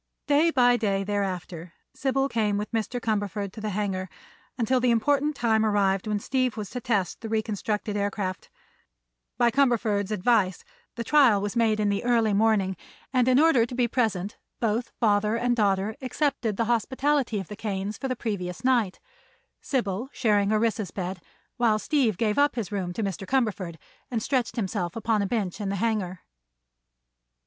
Day by day, thereafter, Sybil came with Mr. Cumberford to the hangar, until the important time arrived when Steve was to test the reconstructed aircraft. By Cumberford's advice the trial was made in the early morning, and in order to be present both father and daughter accepted the hospitality of the Kanes for the previous night, Sybil sharing Orissa's bed while Steve gave up his room to Mr. Cumberford and stretched himself upon a bench in the hangar.